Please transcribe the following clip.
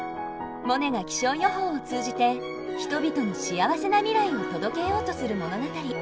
モネが気象予報を通じて人々に幸せな未来を届けようとする物語。